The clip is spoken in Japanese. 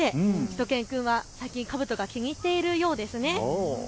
しゅと犬くんはかぶとが気に入っているようですね。